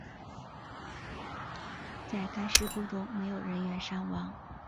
在该事故中没有人员伤亡。